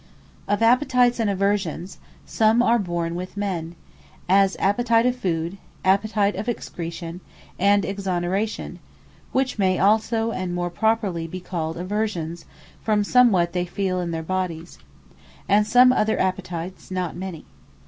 Of Appetites, and Aversions, some are born with men; as Appetite of food, Appetite of excretion, and exoneration, (which may also and more properly be called Aversions, from somewhat they feele in their Bodies;) and some other Appetites, not many.